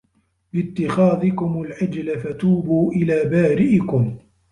بِاتِّخَاذِكُمُ الْعِجْلَ فَتُوبُوا إِلَىٰ بَارِئِكُمْ